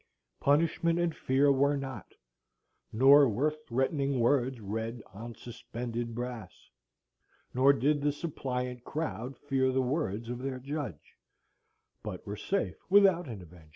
Punishment and fear were not; nor were threatening words read On suspended brass; nor did the suppliant crowd fear The words of their judge; but were safe without an avenger.